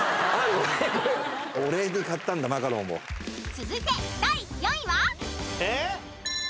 ［続いて第４位は］